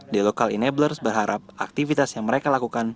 the local enablers berharap aktivitas yang mereka lakukan